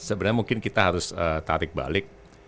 sebenarnya mungkin kita harus tarik balik